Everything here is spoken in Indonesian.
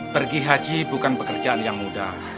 pergi haji bukan pekerjaan yang mudah